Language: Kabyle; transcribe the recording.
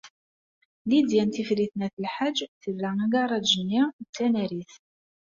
Lidya n Tifrit n At Lḥaǧ terra agaṛaj-nni d tanarit.